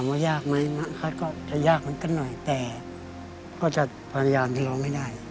ว่ายากไหมครับก็จะยากเหมือนกันหน่อยแต่ก็จะพยายามที่ร้องให้ได้